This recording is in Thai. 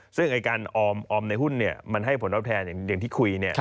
ซึ่งการออมในหุ้นมันให้ผลตอบแทนอย่างที่คุย